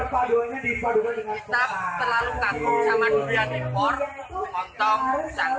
kita terlalu kaku sama durian impor montong jangkik